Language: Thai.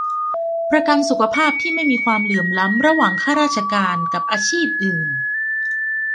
ประกันสุขภาพที่ไม่มีความเหลื่อมล้ำระหว่างข้าราชการกับอาชีพอื่น